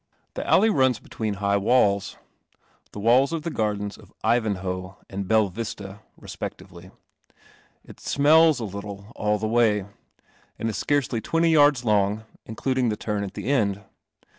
I he alley run between high wall the walls irdens of "Ivanhoe" and *' Belle Vista' respectively, [l mells a little all the way, and i ely twenty \ ards 1' >ng, including the turn at the end.